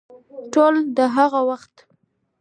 ټول د هغه وخت